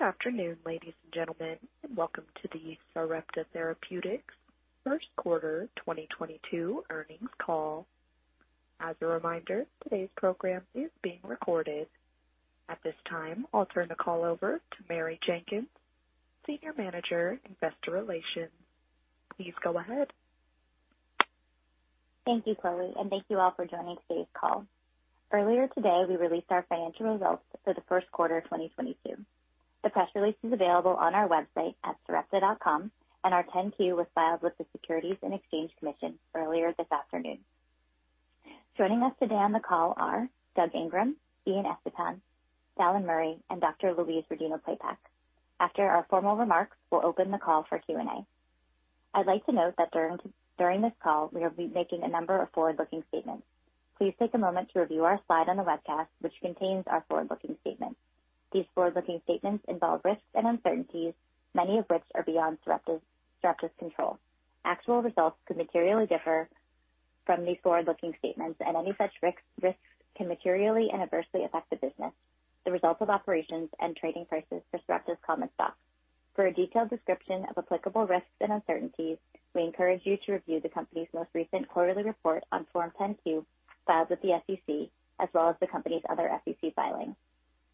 Good afternoon, ladies and gentlemen, and welcome to the Sarepta Therapeutics First Quarter 2022 Earnings Call. As a reminder, today's program is being recorded. At this time, I'll turn the call over to Mary Jenkins, Senior Manager, Investor Relations. Please go ahead. Thank you, Chloe, and thank you all for joining today's call. Earlier today, we released our financial results for the first quarter of 2022. The press release is available on our website at sarepta.com, and our 10-Q was filed with the Securities and Exchange Commission earlier this afternoon. Joining us today on the call are Doug Ingram, Ian Estepan, Dallan Murray, and Dr. Louise Rodino-Klapac. After our formal remarks, we'll open the call for Q&A. I'd like to note that during this call, we will be making a number of forward-looking statements. Please take a moment to review our slide on the webcast, which contains our forward-looking statements. These forward-looking statements involve risks and uncertainties, many of which are beyond Sarepta's control. Actual results could materially differ from these forward-looking statements, and any such risks can materially and adversely affect the business. The results of operations and trading prices for Sarepta's common stock. For a detailed description of applicable risks and uncertainties, we encourage you to review the company's most recent quarterly report on Form 10-Q filed with the SEC, as well as the company's other SEC filings.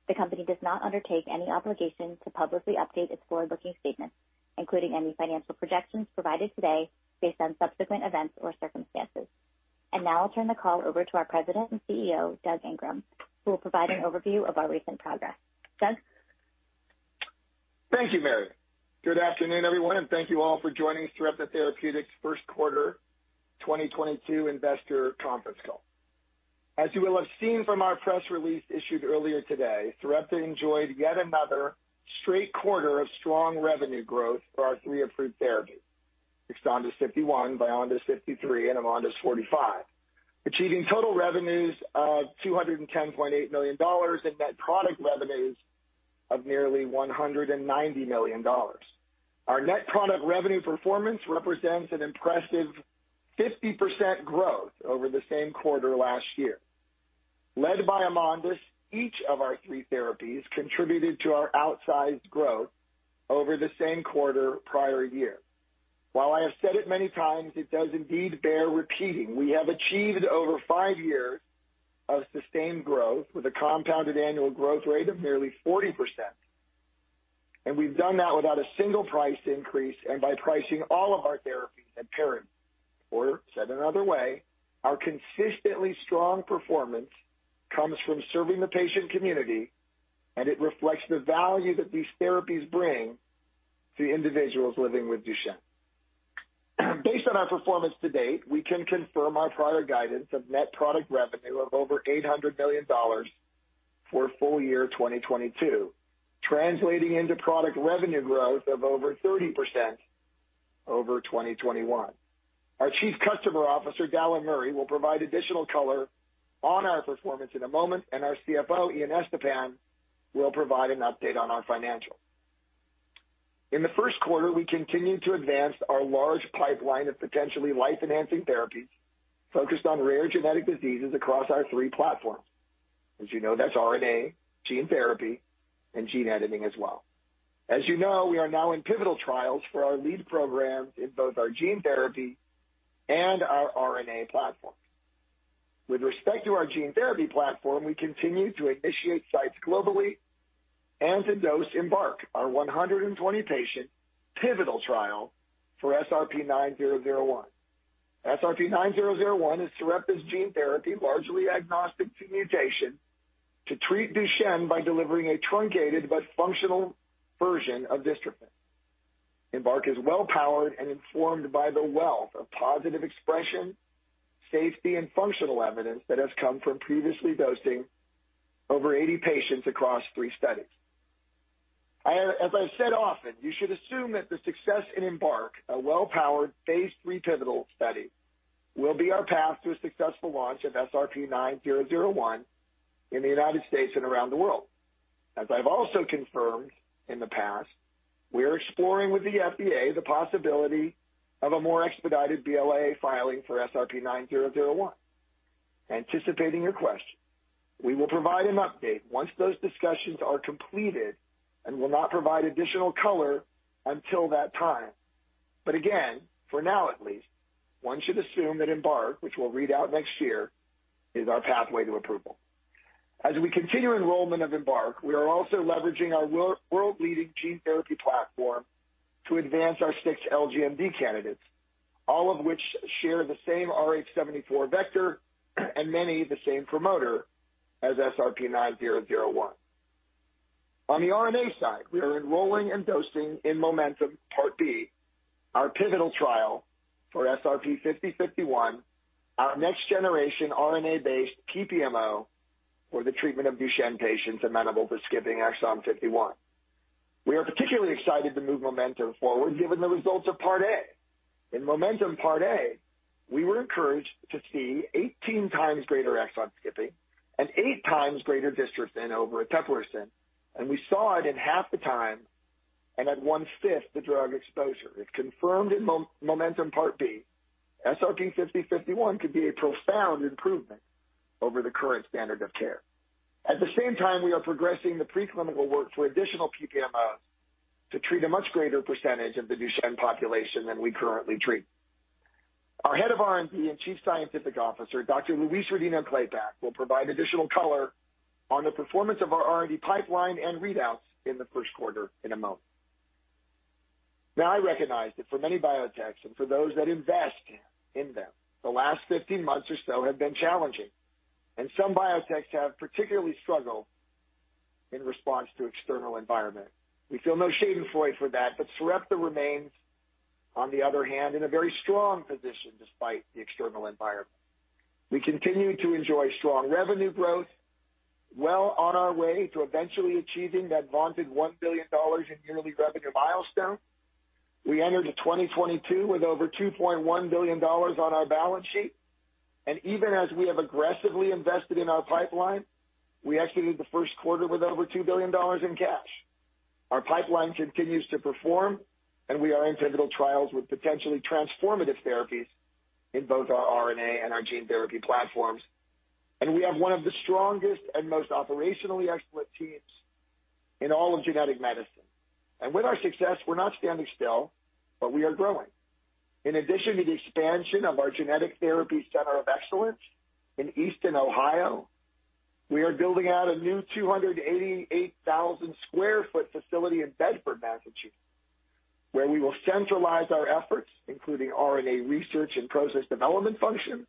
The company does not undertake any obligation to publicly update its forward-looking statements, including any financial projections provided today based on subsequent events or circumstances. Now I'll turn the call over to our President and CEO, Doug Ingram, who will provide an overview of our recent progress. Doug? Thank you, Mary. Good afternoon, everyone, and thank you all for joining Sarepta Therapeutics First Quarter 2022 Investor Conference Call. As you will have seen from our press release issued earlier today, Sarepta enjoyed yet another straight quarter of strong revenue growth for our three approved therapies. EXONDYS 51, VYONDYS 53, and AMONDYS 45. Achieving total revenues of $210.8 million and net product revenues of nearly $190 million. Our net product revenue performance represents an impressive 50% growth over the same quarter last year. Led by AMONDYS 45, each of our three therapies contributed to our outsized growth over the same quarter prior year. While I have said it many times, it does indeed bear repeating. We have achieved over five years of sustained growth with a compounded annual growth rate of nearly 40%. We've done that without a single price increase and by pricing all of our therapies at par. Said another way, our consistently strong performance comes from serving the patient community, and it reflects the value that these therapies bring to individuals living with Duchenne. Based on our performance to date, we can confirm our prior guidance of net product revenue of over $800 million for full year 2022, translating into product revenue growth of over 30% over 2021. Our Chief Commercial Officer, Dallan Murray, will provide additional color on our performance in a moment, and our CFO, Ian Estepan, will provide an update on our financials. In the first quarter, we continued to advance our large pipeline of potentially life-enhancing therapies focused on rare genetic diseases across our three platforms. As you know, that's RNA, gene therapy, and gene editing as well. As you know, we are now in pivotal trials for our lead programs in both our gene therapy and our RNA platform. With respect to our gene therapy platform, we continue to initiate sites globally and to dose EMBARK, our 120-patient pivotal trial for SRP-9001. SRP-9001 is Sarepta's gene therapy, largely agnostic to mutation, to treat Duchenne by delivering a truncated but functional version of dystrophin. EMBARK is well-powered and informed by the wealth of positive expression, safety, and functional evidence that has come from previously dosing over 80 patients across three studies. I, as I've said often, you should assume that the success in EMBARK, a well-powered phase III pivotal study, will be our path to a successful launch of SRP-9001 in the United States and around the world. As I've also confirmed in the past, we are exploring with the FDA the possibility of a more expedited BLA filing for SRP-9001. Anticipating your question, we will provide an update once those discussions are completed and will not provide additional color until that time. Again, for now at least, one should assume that EMBARK, which we'll read out next year, is our pathway to approval. As we continue enrollment of EMBARK, we are also leveraging our world-leading gene therapy platform to advance our six LGMD candidates, all of which share the same AAVrh74 vector and many of the same promoter as SRP-9001. On the RNA side, we are enrolling and dosing in MOMENTUM Part B, our pivotal trial for SRP-5051, our next-generation RNA-based PPMO for the treatment of Duchenne patients amenable to skipping exon 51. We are particularly excited to move MOMENTUM forward, given the results of Part A. In MOMENTUM Part A, we were encouraged to see 18 times greater exon skipping and eight times greater dystrophin over eteplirsen, and we saw it in half the time and at one-fifth the drug exposure. If confirmed in MOMENTUM Part B, SRP-5051 could be a profound improvement over the current standard of care. At the same time, we are progressing the preclinical work to additional PPMOs to treat a much greater percentage of the Duchenne population than we currently treat. Our Head of R&D and Chief Scientific Officer, Dr. Louise Rodino-Klapac, will provide additional color on the performance of our R&D pipeline and readouts in the first quarter in a moment. Now, I recognize that for many biotechs and for those that invest in them, the last 15 months or so have been challenging, and some biotechs have particularly struggled in response to external environment. We feel no schadenfreude for that, but Sarepta remains, on the other hand, in a very strong position despite the external environment. We continue to enjoy strong revenue growth, well on our way to eventually achieving that vaunted $1 billion in yearly revenue milestone. We entered into 2022 with over $2.1 billion on our balance sheet, and even as we have aggressively invested in our pipeline, we exited the first quarter with over $2 billion in cash. Our pipeline continues to perform, and we are in pivotal trials with potentially transformative therapies in both our RNA and our gene therapy platforms. We have one of the strongest and most operationally excellent teams in all of genetic medicine. With our success, we're not standing still, but we are growing. In addition to the expansion of our Genetic Therapies Center of Excellence in Eastern Ohio, we are building out a new 288,000 sq ft facility in Bedford, Massachusetts, where we will centralize our efforts, including RNA research and process development function,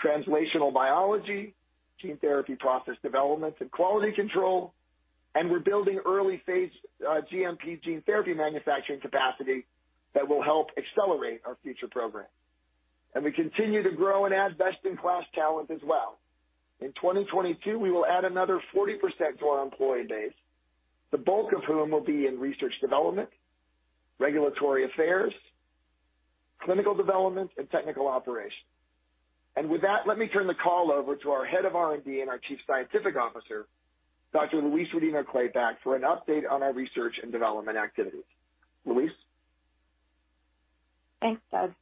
translational biology, gene therapy process development and quality control, and we're building early phase, GMP gene therapy manufacturing capacity that will help accelerate our future programs. We continue to grow and add best-in-class talent as well. In 2022, we will add another 40% to our employee base, the bulk of whom will be in research and development, regulatory affairs, clinical development, and technical operations. With that, let me turn the call over to our Head of R&D and our Chief Scientific Officer, Dr. Louise Rodino-Klapac, for an update on our research and development activities. Louise? Thanks, Doug.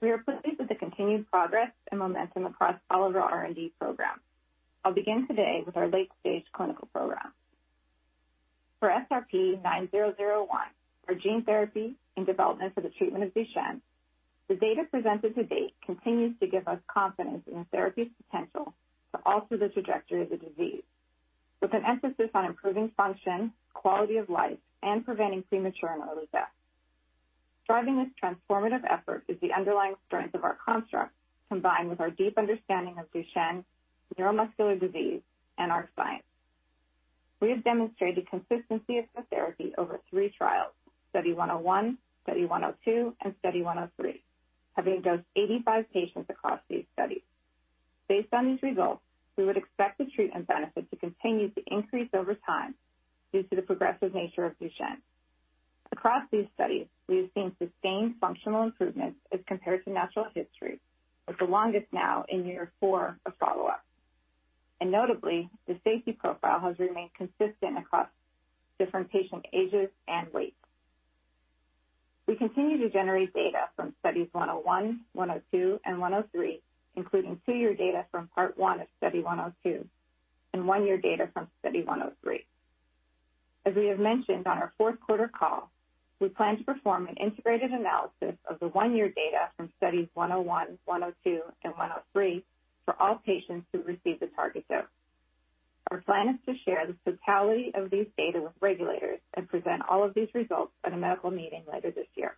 We are pleased with the continued progress and momentum across all of our R&D programs. I'll begin today with our late-stage clinical programs. For SRP-9001, our gene therapy in development for the treatment of Duchenne, the data presented to date continues to give us confidence in the therapy's potential to alter the trajectory of the disease, with an emphasis on improving function, quality of life, and preventing premature and early death. Driving this transformative effort is the underlying strength of our construct, combined with our deep understanding of Duchenne neuromuscular disease and our science. We have demonstrated consistency of the therapy over three trials, Study 101, Study 102, and Study 103, having dosed 85 patients across these studies. Based on these results, we would expect the treatment benefit to continue to increase over time due to the progressive nature of Duchenne. Across these studies, we have seen sustained functional improvements as compared to natural history, with the longest now in year four of follow-up. Notably, the safety profile has remained consistent across different patient ages and weights. We continue to generate data from Studies 101, 102, and 103, including two-year data from Part one of Study 102 and one-year data from Study 103. As we have mentioned on our fourth quarter call, we plan to perform an integrated analysis of the one-year data from Studies 101, 102, and 103 for all patients who received a target dose. Our plan is to share the totality of these data with regulators and present all of these results at a medical meeting later this year.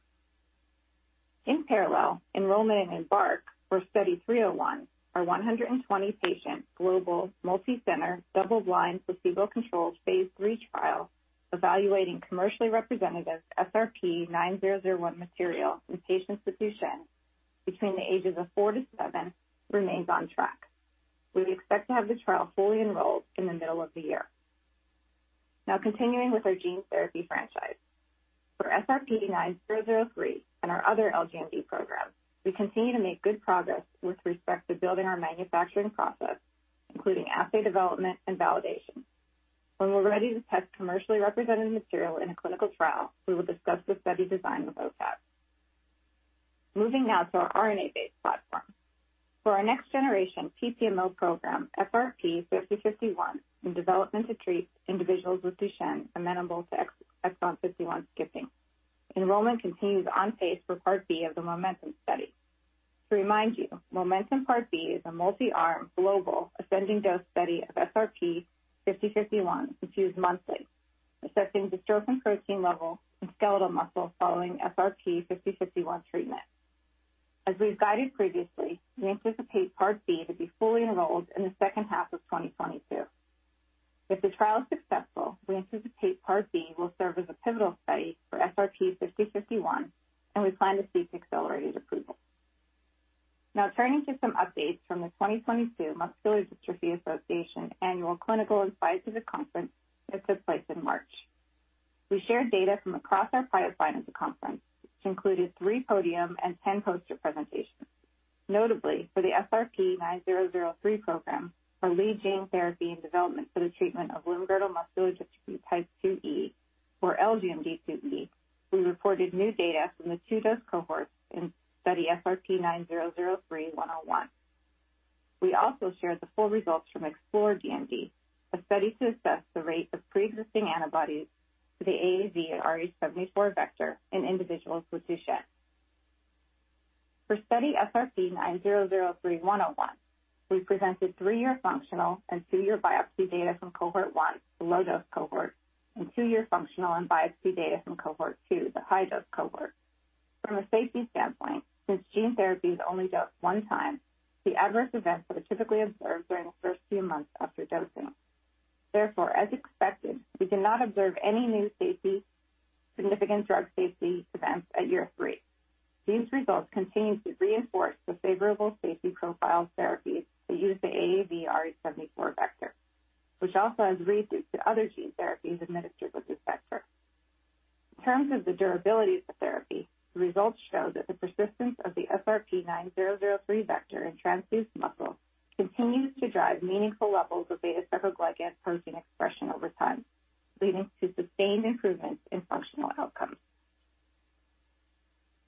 In parallel, enrollment in EMBARK, or Study 301, our 120-patient global, multicenter, double-blind, placebo-controlled phase III trial evaluating commercially representative SRP-9001 material in patients with Duchenne between the ages of 4-7, remains on track. We expect to have the trial fully enrolled in the middle of the year. Now continuing with our gene therapy franchise. For SRP-9003 and our other LGMD programs, we continue to make good progress with respect to building our manufacturing process, including assay development and validation. When we're ready to test commercially represented material in a clinical trial, we will discuss the study design with OCTGT. Moving now to our RNA-based platform. For our next-generation PPMO program, SRP-5051, in development to treat individuals with Duchenne amenable to exon 51 skipping, enrollment continues on pace for Part B of the MOMENTUM study. To remind you, MOMENTUM Part B is a multi-arm global ascending dose study of SRP-5051 infused monthly, assessing dystrophin protein level in skeletal muscle following SRP-5051 treatment. As we've guided previously, we anticipate Part B to be fully enrolled in the second half of 2022. If the trial is successful, we anticipate Part B will serve as a pivotal study for SRP-5051, and we plan to seek accelerated approval. Now turning to some updates from the 2022 Muscular Dystrophy Association Annual Clinical & Scientific Conference that took place in March. We shared data from across our pipeline at the conference, which included three podium and 10 poster presentations. Notably, for the SRP-9003 program, our lead gene therapy in development for the treatment of Limb-Girdle Muscular Dystrophy Type 2E or LGMD2E, we reported new data from the two dose cohorts in study SRP-9003-101. We also shared the full results from EXPLORE DMD, a study to assess the rate of pre-existing antibodies to the AAVrh74 vector in individuals with Duchenne. For study SRP-9003-101, we presented three-year functional and two-year biopsy data from cohort one, the low dose cohort, and two-year functional and biopsy data from cohort two, the high dose cohort. From a safety standpoint, since gene therapy is only dosed one time, the adverse events that are typically observed during the first few months after dosing. Therefore, as expected, we did not observe any new safety, significant drug safety events at year three. These results continue to reinforce the favorable safety profile of therapies that use the AAVrh74 vector, which also has read through to other gene therapies administered with this vector. In terms of the durability of the therapy, the results show that the persistence of the SRP-9003 vector in transduced muscle continues to drive meaningful levels of beta-dystroglycan protein expression over time, leading to sustained improvements in functional outcomes.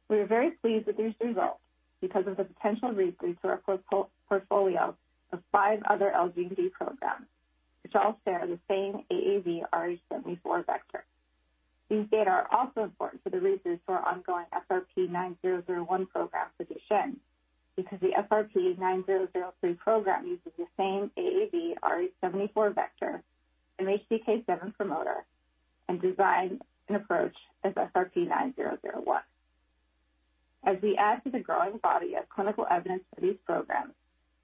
We are very pleased with these results because of the potential read-through to our portfolio of five other LGMD programs, which all share the same AAVrh74 vector. These data are also important for the read-through to our ongoing SRP-9001 program for Duchenne because the SRP-9003 program uses the same AAVrh74 vector, an MHCK7 promoter, and design and approach as SRP-9001. As we add to the growing body of clinical evidence for these programs,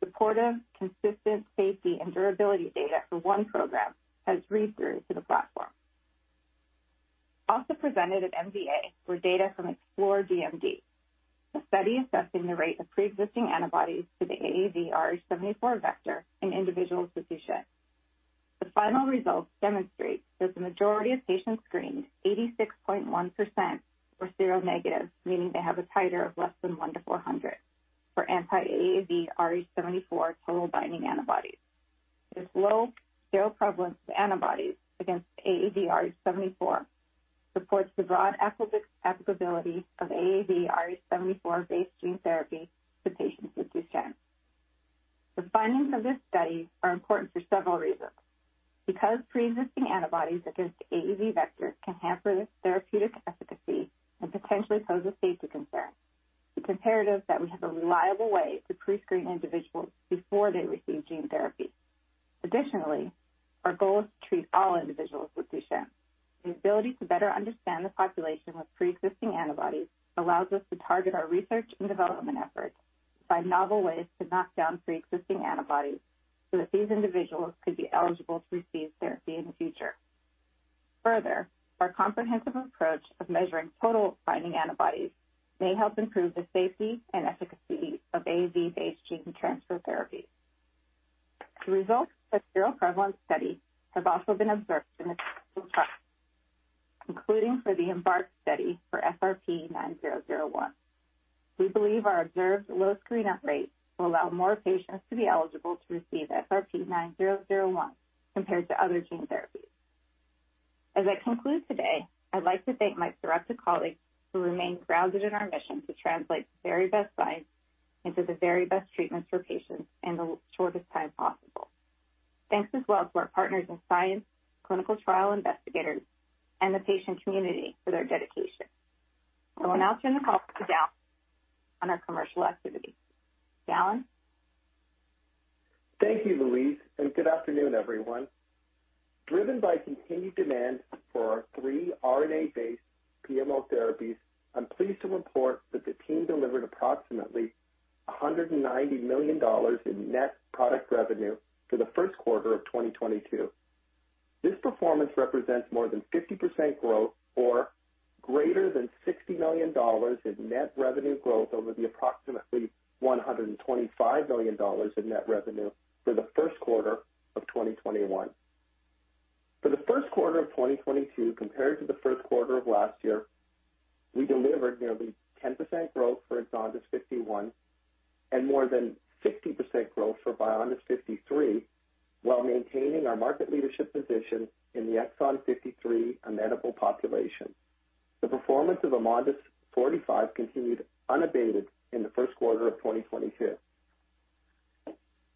supportive, consistent safety and durability data for one program has read through to the platform. Also presented at MDA were data from EXPLORE DMD, a study assessing the rate of pre-existing antibodies to the AAVrh74 vector in individuals with Duchenne. The final results demonstrate that the majority of patients screened, 86.1%, were seronegative, meaning they have a titer of less than one to 400 for anti-AAVrh74 total binding antibodies. This low seroprevalence of antibodies against AAVrh74 supports the broad applicability of AAVrh74-based gene therapy to patients with Duchenne. The findings of this study are important for several reasons. Because pre-existing antibodies against AAV vectors can hamper the therapeutic efficacy and potentially pose a safety concern, it's imperative that we have a reliable way to pre-screen individuals before they receive gene therapy. Additionally, our goal is to treat all individuals with Duchenne. The ability to better understand the population with pre-existing antibodies allows us to target our research and development efforts to find novel ways to knock down pre-existing antibodies so that these individuals could be eligible to receive therapy in the future. Further, our comprehensive approach of measuring total binding antibodies may help improve the safety and efficacy of AAV-based gene transfer therapy. The results of the seroprevalence study have also been observed in the trial, including for the EMBARK study for SRP-9001. We believe our observed low screen-out rate will allow more patients to be eligible to receive SRP-9001 compared to other gene therapies. As I conclude today, I'd like to thank my Sarepta colleagues who remain grounded in our mission to translate the very best science into the very best treatments for patients in the shortest time possible. Thanks as well to our partners in science, clinical trial investigators, and the patient community for their dedication. I will now turn the call to Dallan on our commercial activities. Dallan? Thank you, Louise, and good afternoon, everyone. Driven by continued demand for our three RNA-based PMO therapies, I'm pleased to report that the team delivered approximately $190 million in net product revenue for the first quarter of 2022. This performance represents more than 50% growth or greater than $60 million in net revenue growth over the approximately $125 million in net revenue for the first quarter of 2021. For the first quarter of 2022 compared to the first quarter of last year, we delivered nearly 10% growth for EXONDYS 51 and more than 50% growth for VYONDYS 53, while maintaining our market leadership position in the exon 53 amenable population. The performance of AMONDYS 45 continued unabated in the first quarter of 2022.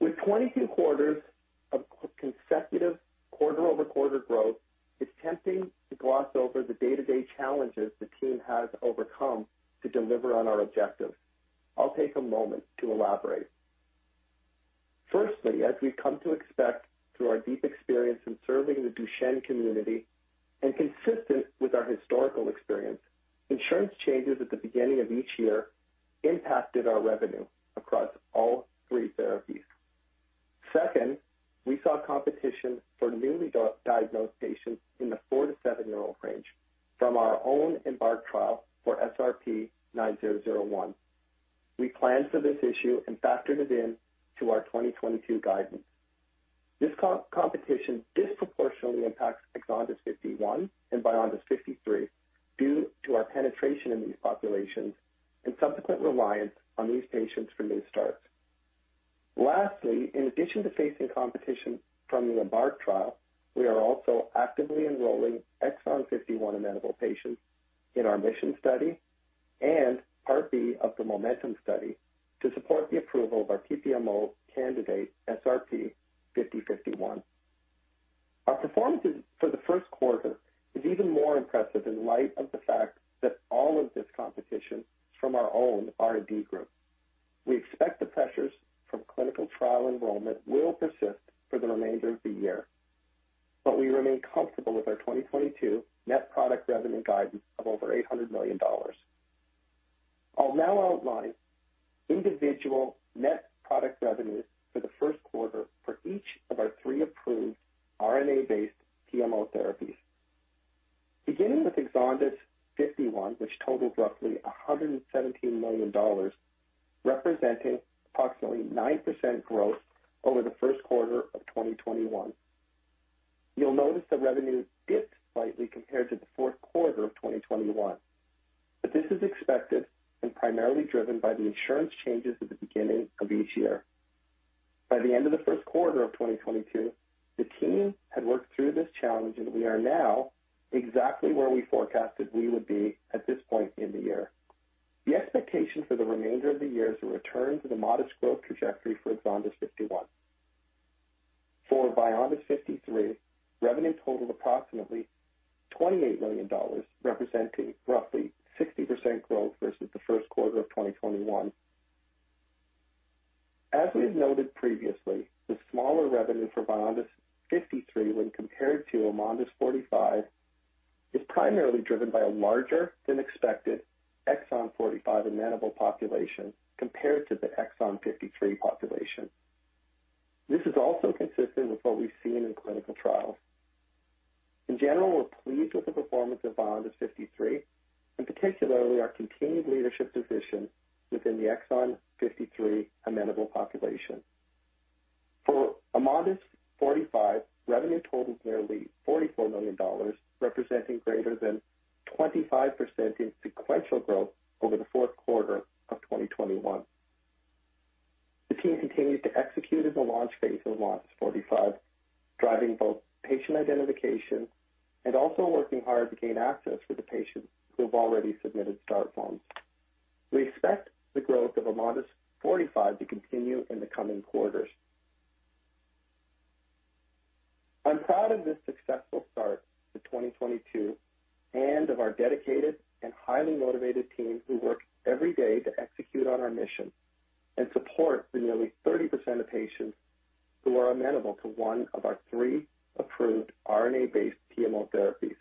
With 22 quarters of consecutive quarter-over-quarter growth, it's tempting to gloss over the day-to-day challenges the team has overcome to deliver on our objectives. I'll take a moment to elaborate. Firstly, as we've come to expect through our deep experience in serving the Duchenne community and consistent with our historical experience, insurance changes at the beginning of each year impacted our revenue across all three therapies. Second, we saw competition for newly diagnosed patients in the 4- to 7-year-old range from our own EMBARK trial for SRP-9001. We planned for this issue and factored it in to our 2022 guidance. This competition disproportionately impacts EXONDYS 51 and VYONDYS 53 due to our penetration in these populations and subsequent reliance on these patients for new starts. Lastly, in addition to facing competition from the EMBARK trial, we are also actively enrolling exon 51 amenable patients in our MISSION study and part B of the MOMENTUM study to support the approval of our PPMO candidate, SRP-5051. Our performance for the first quarter is even more impressive in light of the fact I'm proud of this successful start to 2022 and of our dedicated and highly motivated team who work every day to execute on our mission and support the nearly 30% of patients who are amenable to one of our three approved RNA-based PMO therapies.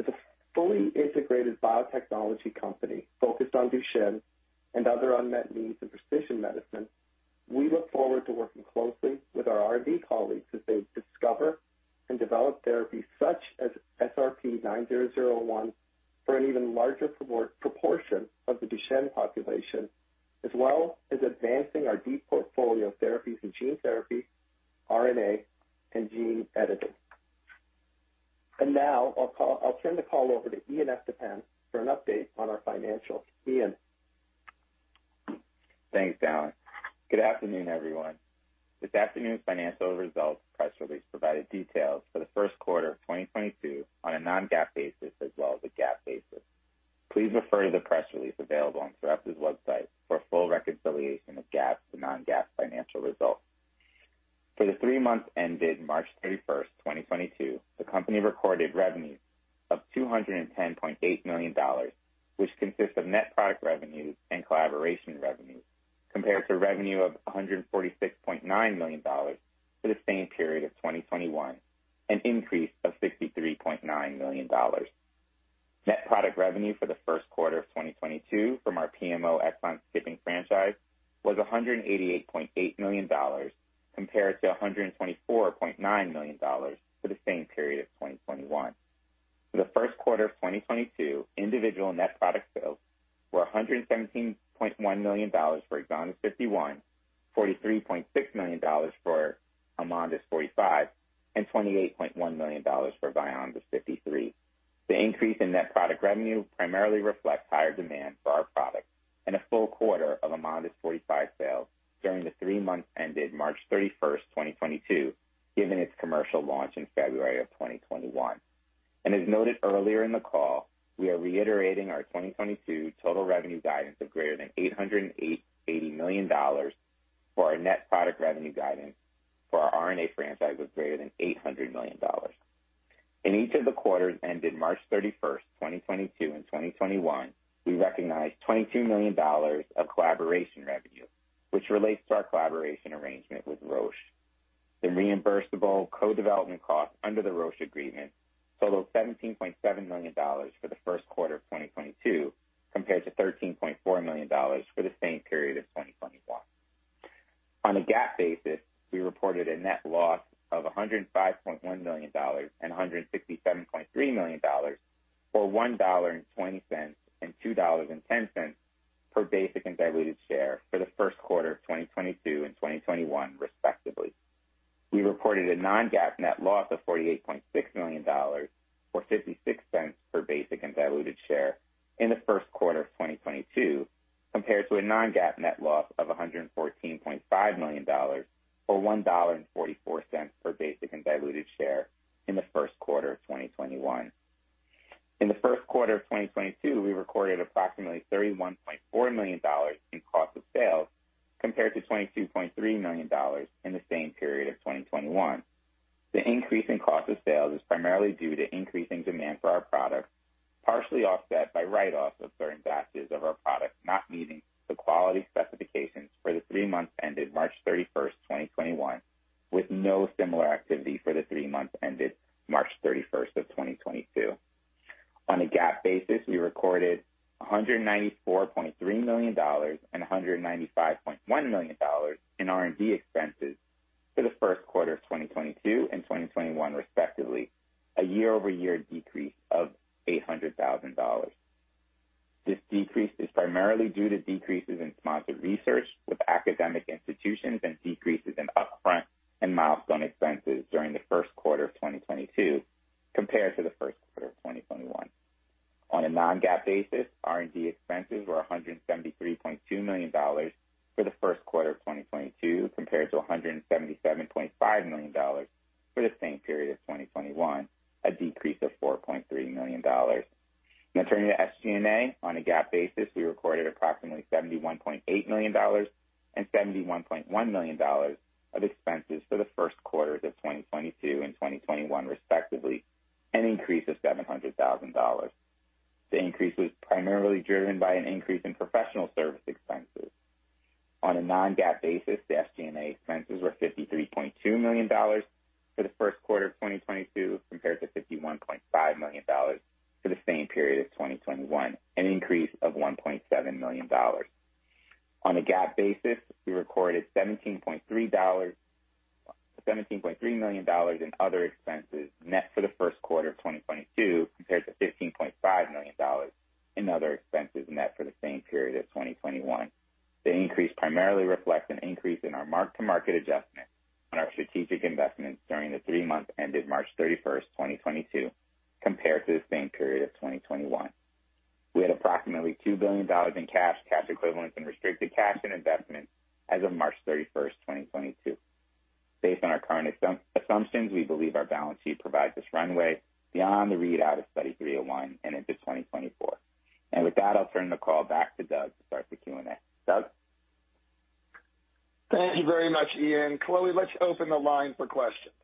As a fully integrated biotechnology company focused on Duchenne and other unmet needs in precision medicine, we look forward to working closely with our R&D colleagues as they discover and develop therapies such as SRP-9001 for an even larger proportion of the Duchenne population, as well as advancing our deep portfolio of therapies in gene therapy, RNA, and gene editing. Now I'll turn the call over to Ian Estepan for an update on our financials. Ian. Thanks, Dallan. Good afternoon, everyone. This afternoon's financial results press release provided details for the first quarter of 2022 on a non-GAAP basis as well as a GAAP basis. Please refer to the press release available on Sarepta's website for a full reconciliation of GAAP to non-GAAP financial results. For the three months ended March 31, 2022, the company recorded revenues of $210.8 million, which consists of net product revenues and collaboration revenues, compared to revenue of $146.9 million for the same period of 2021, an increase of $63.9 million. Net product revenue for the first quarter of 2022 from our PMO exon skipping franchise was $188.8 million compared to $124.9 million for the same period of 2021. For the first quarter of 2022, individual net product sales were $117.1 million for EXONDYS 51, $43.6 million for AMONDYS 45, and $28.1 million for VYONDYS 53. The increase in net product revenue primarily reflects higher demand for our products and a full quarter of AMONDYS 45 sales during the three months ended March 31, 2022, given its commercial launch in February 2021. As noted earlier in the call, we are reiterating our 2022 total revenue guidance of greater than $880 million for our net product revenue. Guidance for our RNA franchise was greater than $800 million. In each of the quarters ended March 31, 2022 and 2021, we recognized $22 million of collaboration revenue, which relates to our collaboration arrangement with Roche. The reimbursable co-development costs under the Roche agreement totaled $17.7 million for the first quarter of 2022, compared to $13.4 million for the same period of 2021. On a GAAP basis, we reported a net loss of $105.1 million and $167.3 million, or $1.20 and $2.10 per basic and diluted share for the first quarter of 2022 and 2021 respectively. We reported a non-GAAP net loss of $48.6 million or $0.56 per basic and diluted share in the first quarter of 2022, compared to a non-GAAP net loss of $114.5 million or $1.44 per basic and diluted share in the first quarter of 2021. In the first quarter of 2022, we recorded approximately $31.4 million in cost of sales, compared to $22.3 million in the same period of 2021. The increase in cost of sales is primarily due to increasing demand for our products, partially offset by write-off of certain batches of our products not meeting the quality specifications for the three months ended March 31, 2021, with no similar activity for the three months ended March 31, 2022. On a GAAP basis, we recorded $194.3 million and $195.1 million in R&D expenses for the first quarter of 2022 and 2021 respectively, a year-over-year decrease of $800,000. This decrease is primarily due to decreases in sponsored research with academic institutions and decreases in upfront and milestone expenses during the first quarter of 2022 compared to the first quarter of 2021. On a non-GAAP basis, R&D expenses were $173.2 million for the first quarter of 2022, compared to $177.5 million for the same period of 2021, a decrease of $4.3 million. Now turning to SG&A. On a GAAP basis, we recorded approximately $71.8 million and $71.1 million of expenses for the first quarters of 2022 and 2021, respectively, an increase of $700,000. The increase was primarily driven by an increase in professional service expenses. On a non-GAAP basis, the SG&A expenses were $53.2 million for the first quarter of 2022, compared to $51.5 million for the same period of 2021, an increase of $1.7 million. On a GAAP basis, we recorded $17.3 million in other expenses net for the first quarter of 2022, compared to $15.5 million in other expenses net for the same period of 2021. The increase primarily reflects an increase in our mark-to-market adjustment on our strategic investments during the three months ended March 31, 2022, compared to the same period of 2021. We had approximately $2 billion in cash equivalents, and restricted cash and investments as of March 31, 2022. Based on our current assumptions, we believe our balance sheet provides us runway beyond the readout of Study 301 and into 2024. With that, I'll turn the call back to Doug to start the Q&A. Doug? Thank you very much, Ian. Chloe, let's open the line for questions.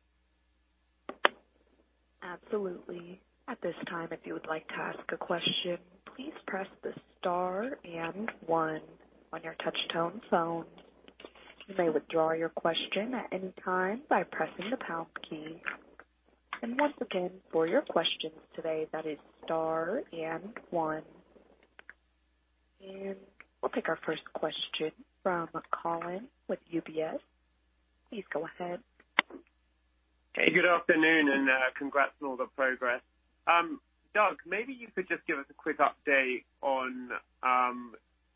Absolutely. At this time, if you would like to ask a question, please press the star and one on your touchtone phone. You may withdraw your question at any time by pressing the pound key. Once again, for your questions today, that is star and one. We'll take our first question from Colin with UBS. Please go ahead. Hey, good afternoon and, congrats on all the progress. Doug, maybe you could just give us a quick update on,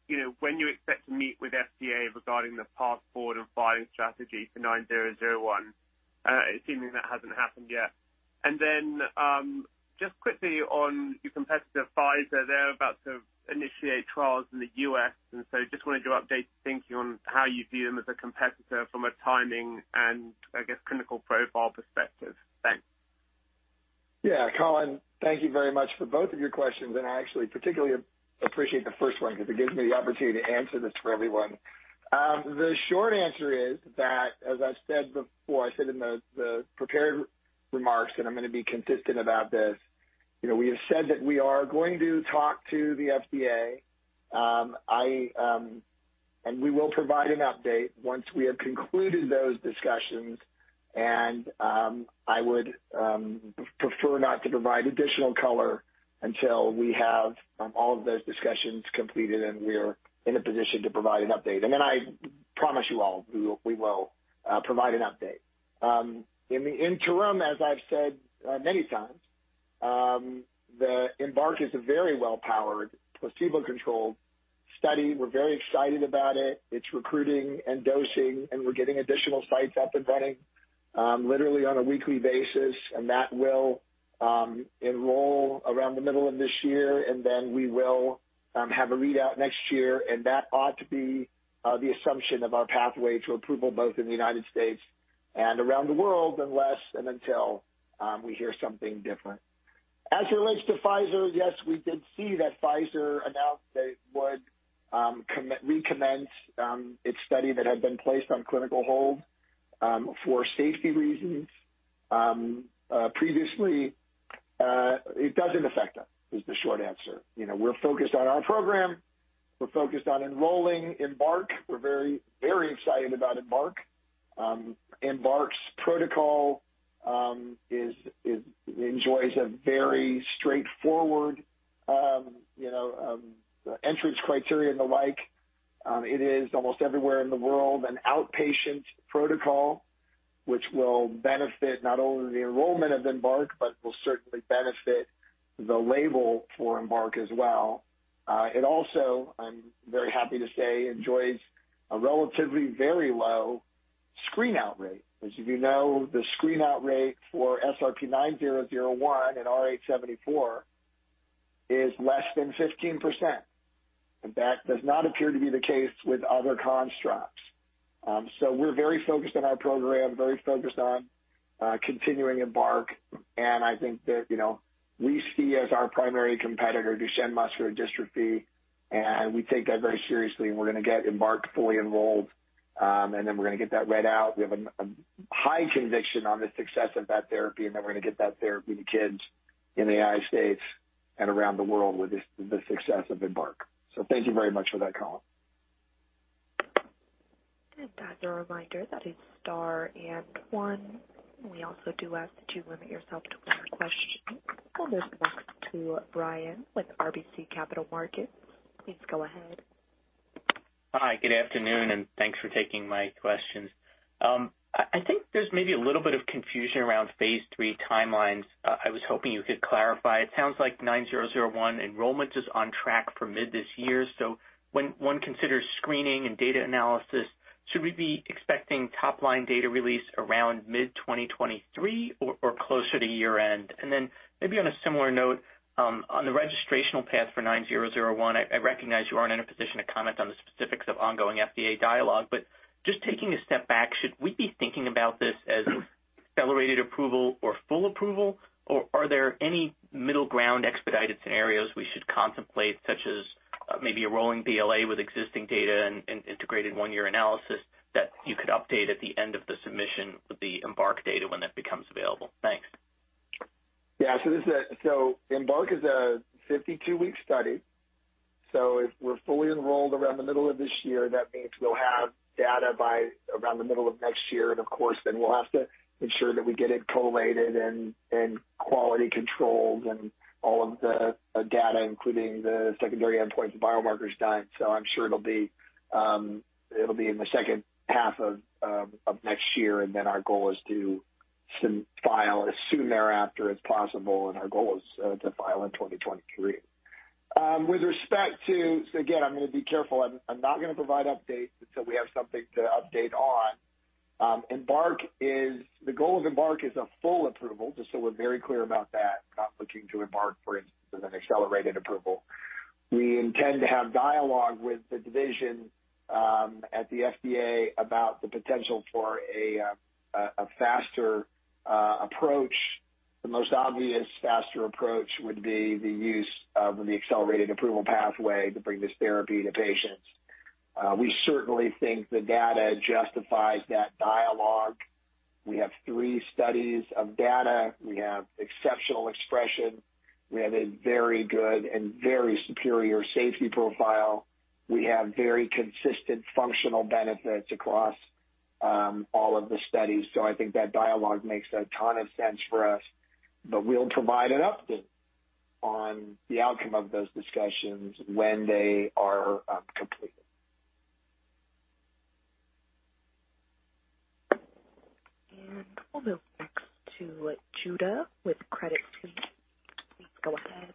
you know, when you expect to meet with FDA regarding the path forward and filing strategy for 9001. It seems that hasn't happened yet. Then, just quickly on your competitor, Pfizer, they're about to initiate trials in the U.S., so just wonder your updated thinking on how you view them as a competitor from a timing and, I guess, clinical profile perspective. Thanks. Yeah. Colin, thank you very much for both of your questions. I actually particularly appreciate the first one because it gives me the opportunity to answer this for everyone. The short answer is that, as I said before, I said in the prepared remarks, and I'm gonna be consistent about this, you know, we have said that we are going to talk to the FDA. We will provide an update once we have concluded those discussions. I would prefer not to provide additional color until we have all of those discussions completed and we are in a position to provide an update. I promise you all we will provide an update. In the interim, as I've said many times, the EMBARK is a very well-powered placebo-controlled study. We're very excited about it. It's recruiting and dosing, and we're getting additional sites up and running, literally on a weekly basis. That will enroll around the middle of this year, and then we will have a readout next year. That ought to be the assumption of our pathway to approval both in the United States and around the world, unless and until we hear something different. As it relates to Pfizer, yes, we did see that Pfizer announced they would recommence its study that had been placed on clinical hold for safety reasons previously. It doesn't affect us, is the short answer. You know, we're focused on our program. We're focused on enrolling EMBARK. We're very, very excited about EMBARK. EMBARK's protocol enjoys a very straightforward, you know, entrance criteria and the like. It is almost everywhere in the world, an outpatient protocol which will benefit not only the enrollment of EMBARK, but will certainly benefit the label for EMBARK as well. It also, I'm very happy to say, enjoys a relatively very low screen out rate, which, if you know, the screen out rate for SRP-9001 and AAVrh74 is less than 15%. That does not appear to be the case with other constructs. We're very focused on our program, very focused on continuing EMBARK, and I think that, you know, we see as our primary competitor Duchenne muscular dystrophy, and we take that very seriously. We're gonna get EMBARK fully enrolled, and then we're gonna get that read out. We have a high conviction on the success of that therapy, and then we're gonna get that therapy to kids in the United States and around the world with the success of EMBARK. Thank you very much for that, Colin. As a reminder, that is star and one. We also do ask that you limit yourself to one question. We'll move next to Brian with RBC Capital Markets. Please go ahead. Hi, good afternoon, and thanks for taking my questions. I think there's maybe a little bit of confusion around phase three timelines. I was hoping you could clarify. It sounds like nine-zero-zero-one enrollment is on track for mid this year. When one considers screening and data analysis, should we be expecting top-line data release around mid-2023 or closer to year-end? Then maybe on a similar note, on the registrational path for nine-zero-zero-one, I recognize you aren't in a position to comment on the specifics of ongoing FDA dialogue, but just taking a step back, should we be thinking about this as accelerated approval or full approval, or are there any middle ground expedited scenarios we should contemplate, such as maybe a rolling BLA with existing data and integrated one-year analysis that you could update at the end of the submission with the EMBARK data when that becomes available? Thanks. EMBARK is a 52-week study, so if we're fully enrolled around the middle of this year, that means we'll have data by around the middle of next year. Of course, then we'll have to ensure that we get it collated and quality controlled and all of the data, including the secondary endpoints and biomarkers done. I'm sure it'll be in the second half of next year, and then our goal is to file as soon thereafter as possible, and our goal is to file in 2023. With respect to, again, I'm gonna be careful. I'm not gonna provide updates until we have something to update on. EMBARK is... The goal of EMBARK is a full approval, just so we're very clear about that, not looking to EMBARK, for instance, as an accelerated approval. We intend to have dialogue with the division at the FDA about the potential for a faster approach. The most obvious faster approach would be the use of the accelerated approval pathway to bring this therapy to patients. We certainly think the data justifies that dialogue. We have three studies of data. We have exceptional expression. We have a very good and very superior safety profile. We have very consistent functional benefits across all of the studies. I think that dialogue makes a ton of sense for us, but we'll provide an update on the outcome of those discussions when they are completed. We'll move next to Judah with Credit Suisse. Please go ahead.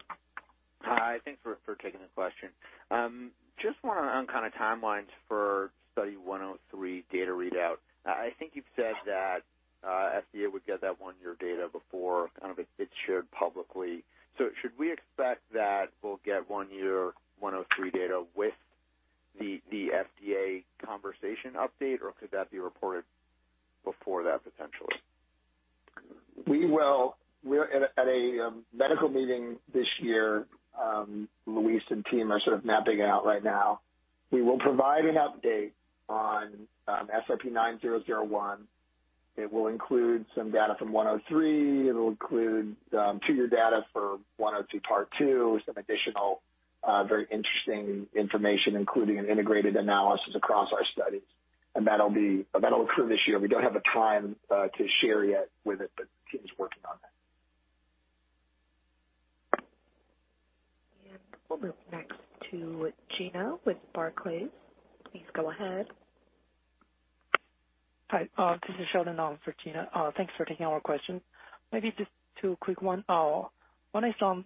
Hi. Thanks for taking the question. Just wanna on kind of timelines for Study 103 data readout. I think you've said that FDA would get that 1-year data before kind of it's shared publicly. Should we expect that we'll get 1-year 103 data with the FDA conversation update, or could that be reported before that potentially? We will. We're at a medical meeting this year, Louise and team are sort of mapping out right now. We will provide an update on SRP-9001. It will include some data from 103. It'll include 2-year data for 102 part 2, some additional very interesting information, including an integrated analysis across our studies, and that'll occur this year. We don't have a time to share yet with it, but the team's working on that. We'll move next to Gena with Barclays. Please go ahead. Hi, this is Sheldon on for Gena. Thanks for taking our question. Maybe just two quick ones. One is on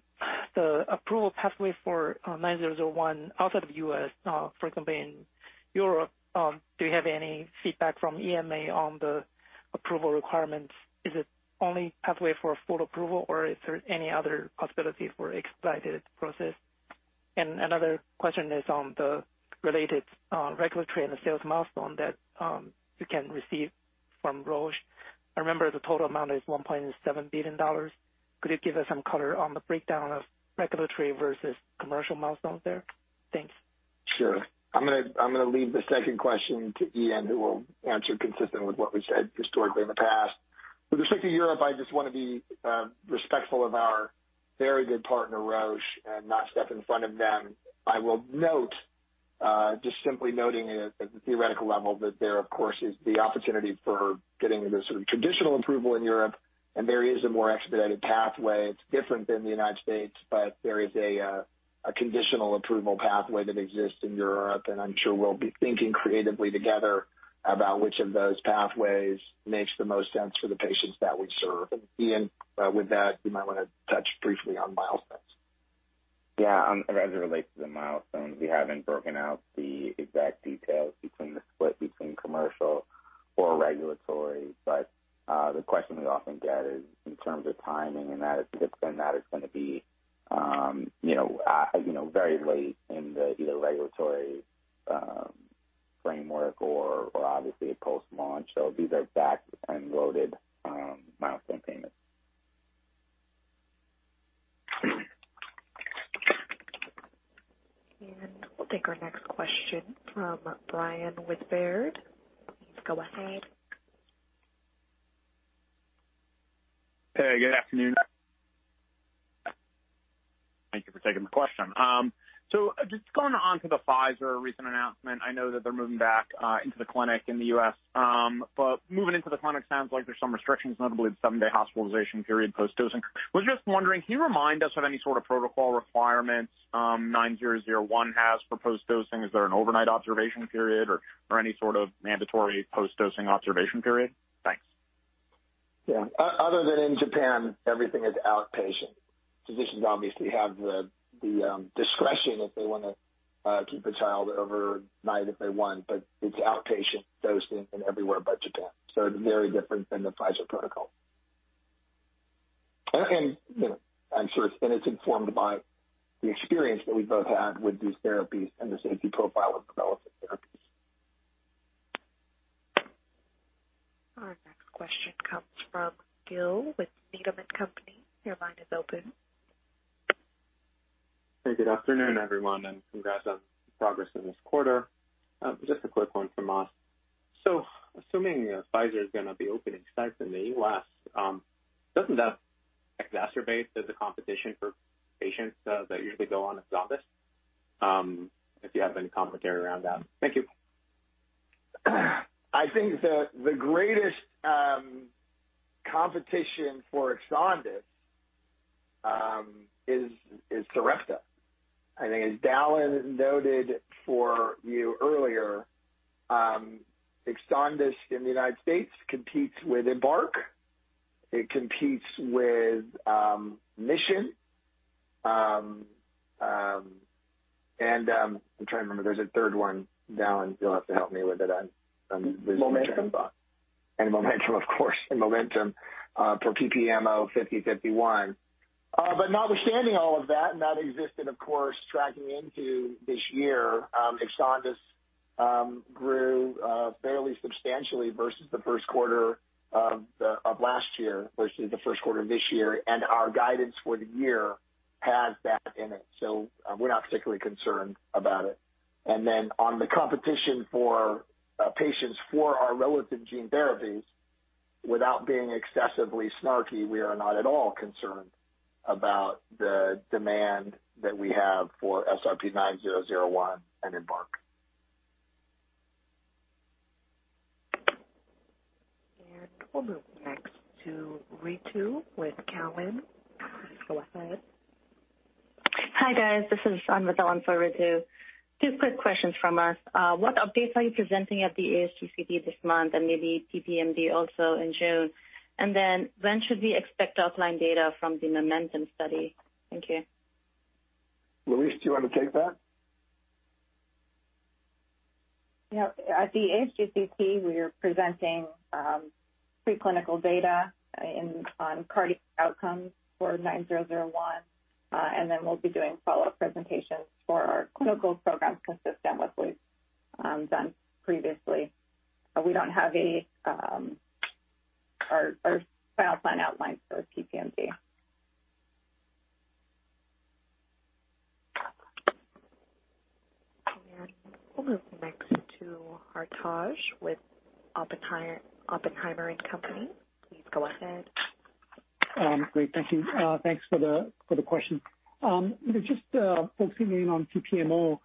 the approval pathway for nine-zero-zero-one outside of U.S., for example, in Europe. Do you have any feedback from EMA on the approval requirements? Is it only pathway for full approval, or is there any other possibility for expedited process? Another question is on the related regulatory and the sales milestone that you can receive from Roche. I remember the total amount is $1.7 billion. Could you give us some color on the breakdown of regulatory versus commercial milestones there? Thanks. Sure. I'm gonna leave the second question to Ian, who will answer consistent with what we've said historically in the past. With respect to Europe, I just wanna be respectful of our very good partner, Roche, and not step in front of them. I will note just simply noting at the theoretical level that there, of course, is the opportunity for getting the sort of traditional approval in Europe. There is a more expedited pathway. It's different than the United States, but there is a conditional approval pathway that exists in Europe. I'm sure we'll be thinking creatively together about which of those pathways makes the most sense for the patients that we serve. Ian, with that, you might wanna touch briefly on milestones. Yeah, as it relates to the milestones, we haven't broken out the exact details between the split between commercial or regulatory. The question we often get is in terms of timing, and that is gonna be, you know, you know, very late in either the regulatory framework or obviously post-launch. These are back-end loaded milestone payments. We'll take our next question from Brian with Baird. Please go ahead. Hey, good afternoon. Thank you for taking my question. Just going on to the Pfizer's recent announcement, I know that they're moving back into the clinic in the U.S. Moving into the clinic sounds like there's some restrictions, notably the seven-day hospitalization period post-dosing. Was just wondering, can you remind us of any sort of protocol requirements, SRP-9001 has for post-dosing? Is there an overnight observation period or any sort of mandatory post-dosing observation period? Thanks. Yeah. Other than in Japan, everything is outpatient. Physicians obviously have the discretion if they wanna keep a child overnight if they want, but it's outpatient dosing everywhere but Japan. Very different than the Pfizer protocol. You know, I'm sure it's informed by the experience that we've both had with these therapies and the safety profile of development therapies. Our next question comes from Gil with Needham & Company. Your line is open. Hey, good afternoon, everyone, and congrats on the progress in this quarter. Just a quick one from us. Assuming Pfizer is gonna be opening sites in the U.S., doesn't that exacerbate the competition for patients that usually go on EXONDYS? If you have any commentary around that? Thank you. I think the greatest competition for EXONDYS is Sarepta. I think as Dallan noted for you earlier, EXONDYS in the United States competes with EMBARK, it competes with Mission, and I'm trying to remember. There's a third one. Dallan, you'll have to help me with it. I'm losing train of thought. Momentum. MOMENTUM, of course, for PPMO 5051. Notwithstanding all of that, and that existed, of course, tracking into this year, EXONDYS grew fairly substantially versus the first quarter of last year versus the first quarter of this year, and our guidance for the year has that in it. We're not particularly concerned about it. Then on the competition for patients for our relevant gene therapies, without being excessively snarky, we are not at all concerned about the demand that we have for SRP-9001 and EMBARK. We'll move next to Ritu with Cowen. Please go ahead. Hi, guys. This is Anvita for Ritu. Two quick questions from us. What updates are you presenting at the ASGCT this month and maybe PPMD also in June? When should we expect top-line data from the MOMENTUM study? Thank you. Louise, do you wanna take that? Yeah. At the ASGCT, we are presenting preclinical data on cardiac outcomes for 9001. We'll be doing follow-up presentations for our clinical programs consistent with what's done previously. We don't have final plan outlines for PPMD. We'll move next to Hartaj with Oppenheimer & Co. Please go ahead. Great. Thank you. Thanks for the question. Just focusing in on PPMO,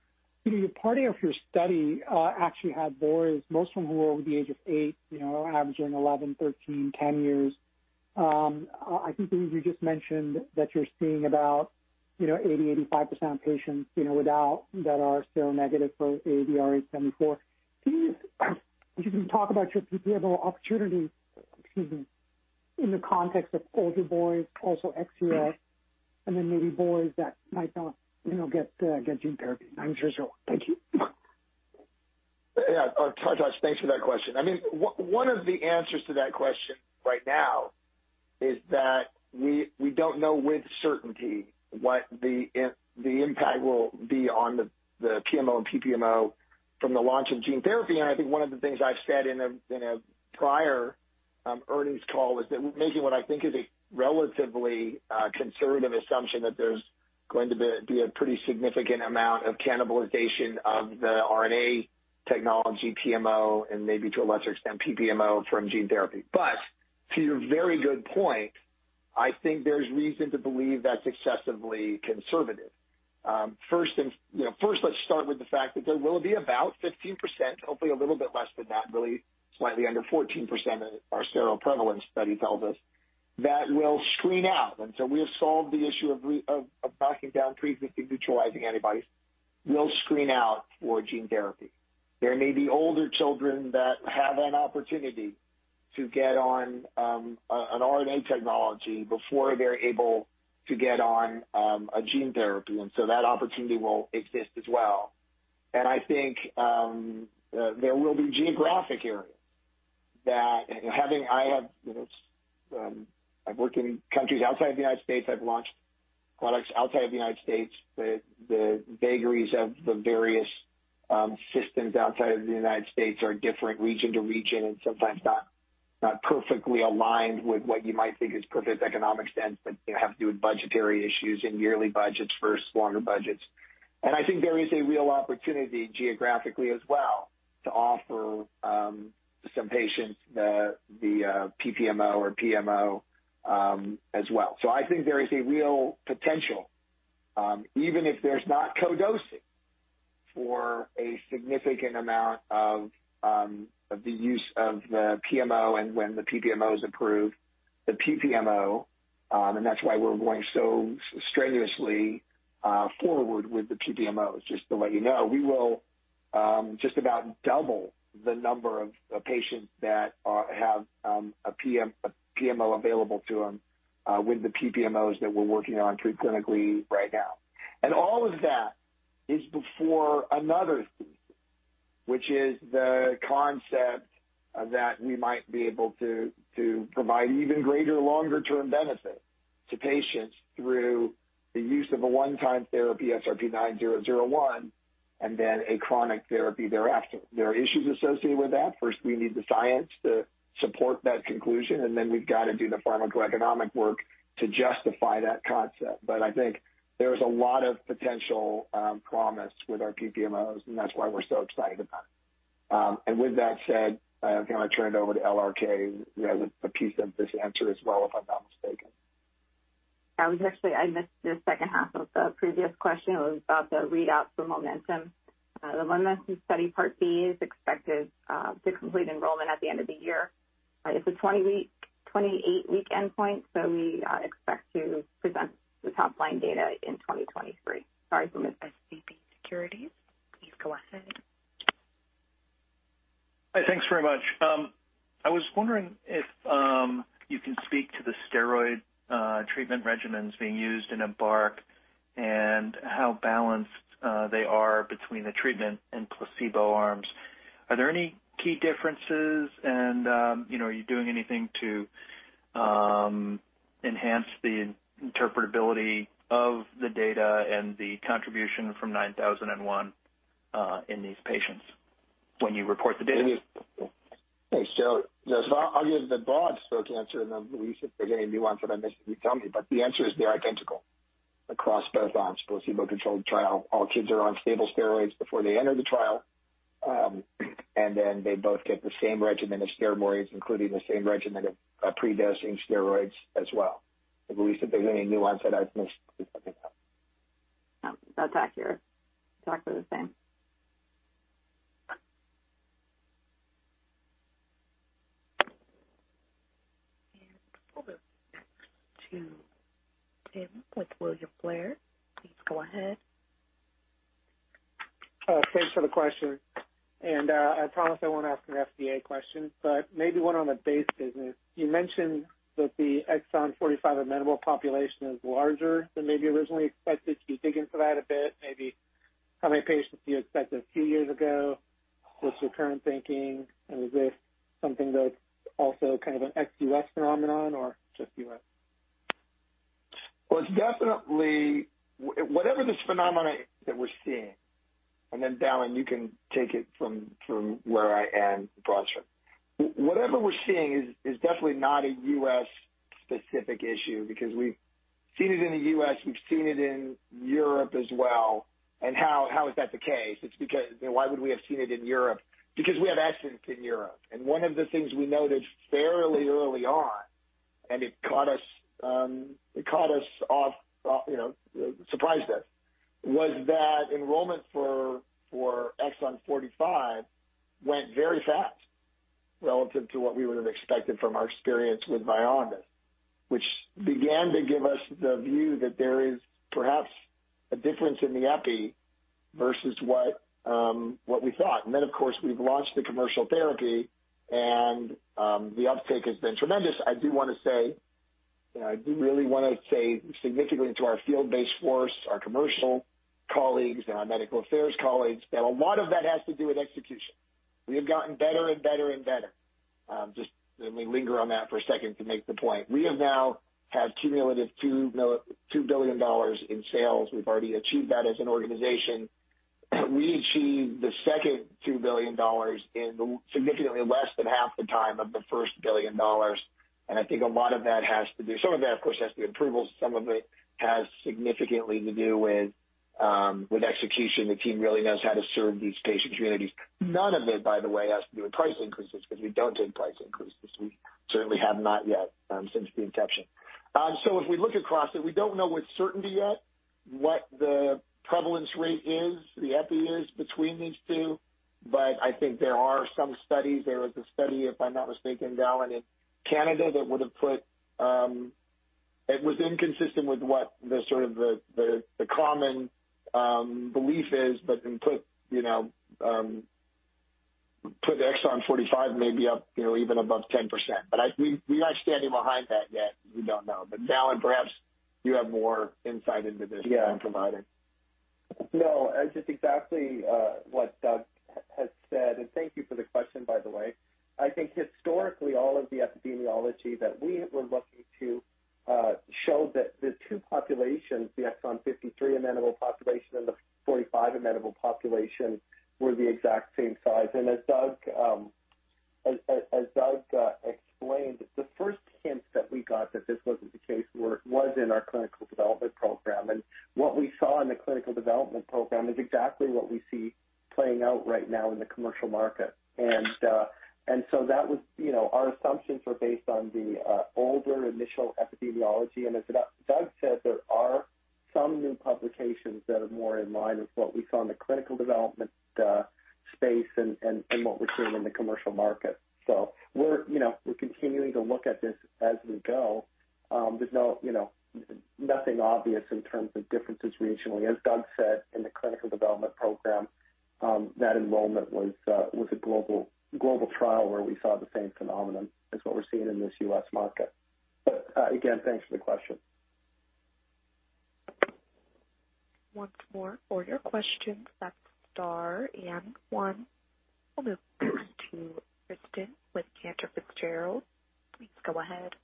you know, part of your study actually had boys, most of them who were over the age of eight, you know, averaging 11, 13, 10 years. I think you just mentioned that you're seeing about, you know, 80-85% of patients, you know, without that are still negative for AAVrh74. Could you talk about your PPMO opportunity, excuse me, in the context of older boys, also XLA, and then maybe boys that might not, you know, get gene therapy. I'm sure as well. Thank you. Yeah. Hartaj, thanks for that question. I mean, one of the answers to that question right now is that we don't know with certainty what the impact will be on the PMO and PPMO from the launch of gene therapy. I think one of the things I've said in a prior earnings call was that making what I think is a relatively conservative assumption that there's going to be a pretty significant amount of cannibalization of the RNA technology PMO and maybe to a lesser extent PPMO from gene therapy. To your very good point, I think there's reason to believe that's excessively conservative. First, let's start with the fact that there will be about 15%, hopefully a little bit less than that, really slightly under 14% our sterile prevalence study tells us, that will screen out. We have solved the issue of knocking down pre-existing neutralizing antibodies. We'll screen out for gene therapy. There may be older children that have an opportunity to get on an RNA technology before they're able to get on a gene therapy, and that opportunity will exist as well. I think there will be geographic areas that I have, you know, it's, I've worked in countries outside the United States. I've launched products outside the United States. The vagaries of the various systems outside of the United States are different region to region and sometimes not perfectly aligned with what you might think is perfect economic sense, but they have to do with budgetary issues and yearly budgets versus longer budgets. I think there is a real opportunity geographically as well to offer some patients the PPMO or PMO as well. I think there is a real potential even if there's not co-dosing for a significant amount of the use of the PMO and when the PPMO is approved, the PPMO, and that's why we're going so strenuously forward with the PPMOs, just to let you know. We will just about double the number of patients that have a PMO available to them with the PPMOs that we're working on pre-clinically right now. All of that is before another thesis, which is the concept that we might be able to provide even greater longer-term benefit to patients through the use of a one-time therapy, SRP-9001, and then a chronic therapy thereafter. There are issues associated with that. First, we need the science to support that conclusion, and then we've got to do the pharmacoeconomic work to justify that concept. I think there's a lot of potential promise with our PPMOs, and that's why we're so excited about it. With that said, I'm gonna turn it over to L.R.K. with a piece of this answer as well, if I'm not mistaken. I was actually I missed the second half of the previous question. It was about the readout for MOMENTUM. The MOMENTUM study Part B is expected to complete enrollment at the end of the year. It's a 28-week endpoint, so we expect to present the top-line data in 2023. Sorry for the missed. SVB Securities, please go ahead. Hi. Thanks very much. I was wondering if you can speak to the steroid treatment regimens being used in EMBARK and how balanced they are between the treatment and placebo arms. Are there any key differences? You know, are you doing anything to enhance the interpretability of the data and the contribution from SRP-9001 in these patients when you report the data? Thanks, Joe. I'll give the broad stroke answer, and then, Louise, if there's any nuance that I missed, you tell me. The answer is they're identical across both arms, placebo-controlled trial. All kids are on stable steroids before they enter the trial, and then they both get the same regimen of steroids, including the same regimen of pre-dosing steroids as well. Louise, if there's any nuance that I've missed, please let me know. No, that's accurate. Exactly the same. We'll go next to Tim with William Blair. Please go ahead. Oh, thanks for the question. I promise I won't ask an FDA question, but maybe one on the base business. You mentioned that the exon 45 amenable population is larger than maybe originally expected. Can you dig into that a bit? Maybe how many patients do you expect a few years ago? What's your current thinking? Is this something that's also kind of an ex-U.S. phenomenon or just U.S.? Well, it's definitely whatever this phenomenon that we're seeing, and then, Dallan, you can take it from where I am, broad stroke. Whatever we're seeing is definitely not a U.S.-specific issue because we've seen it in the U.S., we've seen it in Europe as well. How is that the case? It's because, you know, why would we have seen it in Europe? Because we have EXONDYS in Europe. One of the things we noticed fairly early on, and it caught us off, surprised us, was that enrollment for exon 45 went very fast relative to what we would have expected from our experience with VYONDYS, which began to give us the view that there is perhaps a difference in the epi versus what we thought. Of course, we've launched the commercial therapy, and the uptake has been tremendous. I do wanna say, you know, I do really wanna say significantly to our field-based force, our commercial colleagues, and our medical affairs colleagues, that a lot of that has to do with execution. We have gotten better and better and better. Just let me linger on that for a second to make the point. We now have cumulative $2 billion in sales. We've already achieved that as an organization. We achieved the second $2 billion in significantly less than half the time of the first $1 billion. I think a lot of that has to do. Some of that, of course, has to be approvals. Some of it has significantly to do with execution, the team really knows how to serve these patient communities. None of it, by the way, has to do with price increases because we don't do price increases. We certainly have not yet since the inception. If we look across it, we don't know with certainty yet what the prevalence rate is, the epi is between these two. I think there are some studies. There was a study, if I'm not mistaken, Dallan, in Canada, that would have put it. It was inconsistent with what the common belief is, but it put, you know, the exon 45 maybe up, you know, even above 10%. We, we're not standing behind that yet. We don't know. Dallan, perhaps you have more insight into this than I'm providing. Yeah. No, just exactly what Doug has said, and thank you for the question, by the way. I think historically, all of the epidemiology that we were looking to showed that the two populations, the exon 53 amenable population and the 45 amenable population, were the exact same size. As Doug explained, the first hint that we got that this wasn't the case was in our clinical development program. What we saw in the clinical development program is exactly what we see playing out right now in the commercial market. That was, you know, our assumptions were based on the older initial epidemiology. As Doug said, there are some new publications that are more in line with what we saw in the clinical development space and what we're seeing in the commercial market. We're continuing to look at this as we go. There's nothing obvious in terms of differences regionally. As Doug said, in the clinical development program, that enrollment was a global trial where we saw the same phenomenon as what we're seeing in this U.S. market. Again, thanks for the question. Once more for your questions, that's star and one. We'll move to Kristen with Cantor Fitzgerald. Please go ahead.